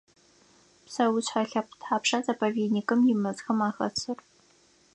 Псэушъхьэ лъэпкъ тхьапша заповедникым имэзхэм ахэсыр?